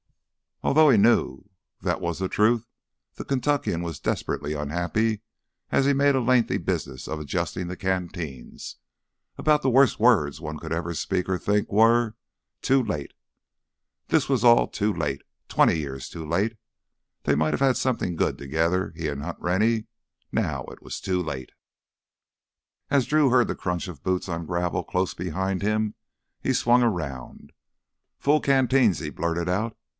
Although he knew that was the truth, the Kentuckian was desperately unhappy as he made a lengthy business of adjusting the canteens. About the worst words one could ever speak, or think, were "too late." This was all too late—twenty years too late. They might have had something good together, he and Hunt Rennie. Now it was too late. As Drew heard the crunch of boots on gravel close behind him, he swung around. "Full canteens," he blurted out.